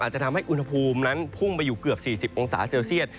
จะทำให้อุณหภูมินั้นพุ่งไปอยู่เกือบ๔๐องศาเซลเซียต